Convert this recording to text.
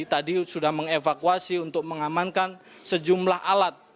tadi sudah mengevakuasi untuk mengamankan sejumlah alat